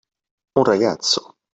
Un ragazzo!